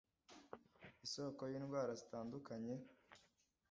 isoko y'indwara zitandukanye